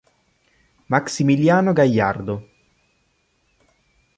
Maximiliano Gagliardo